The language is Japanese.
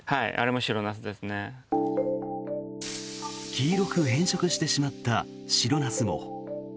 黄色く変色してしまった白ナスも。